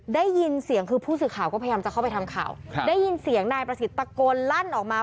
ได้ยินเสียงคือผู้สื่อข่าวก็พยายามจะเข้าไปทำข่าวได้ยินเสียงนายประสิทธิ์ตะโกนลั่นออกมา